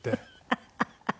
ハハハハ！